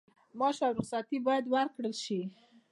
معاش او رخصتي باید ورکړل شي.